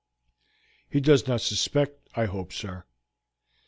"He does not suspect, I hope, sir?"